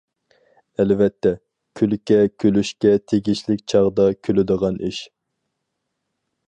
ئەلۋەتتە، كۈلكە كۈلۈشكە تېگىشلىك چاغدا كۈلىدىغان ئىش.